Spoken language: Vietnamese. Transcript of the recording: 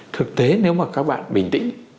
thực tế nếu mà các bạn bình tĩnh